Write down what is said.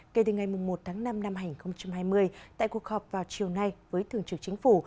kể từ ngày một tháng năm năm hai nghìn hai mươi tại cuộc họp vào chiều nay với thường trực chính phủ